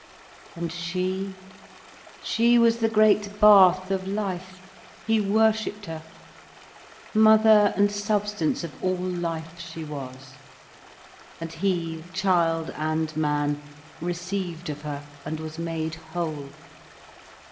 And she, she was the great bath of life, he worshipped her. Mother and substance of all life she was. And he, child and man, received of her and was made whole.